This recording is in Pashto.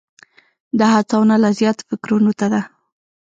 دا هڅونه لا زیاتو فکرونو ته ده.